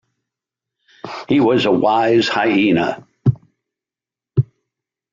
He was a wise hyena.